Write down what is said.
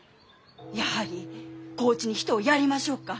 やはり高知に人をやりましょうか？